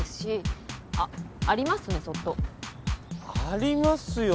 ありますよ